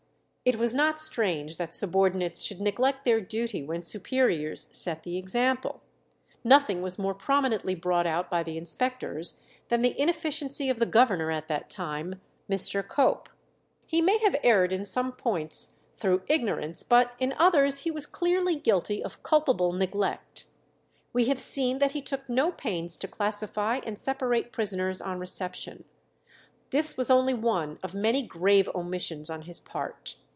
It was not strange that subordinates should neglect their duty when superiors set the example. Nothing was more prominently brought out by the inspectors than the inefficiency of the governor at that time, Mr. Cope. He may have erred in some points through ignorance, but in others he was clearly guilty of culpable neglect. We have seen that he took no pains to classify and separate prisoners on reception. This was only one of many grave omissions on his part.